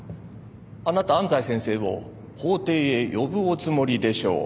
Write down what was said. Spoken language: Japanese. あなた安斎先生を法廷へ呼ぶおつもりでしょう。